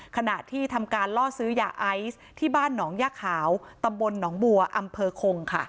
ขณะที่ทำการล่อซื้อยาไอซ์ที่บ้านหนองย่าขาวตำบลหนองบัวอำเภอคงค่ะ